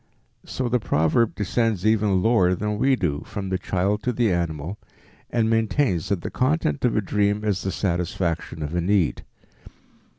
So the proverb descends even lower than we do, from the child to the animal, and maintains that the content of a dream is the satisfaction of a need.